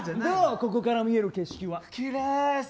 ここから見える景色は。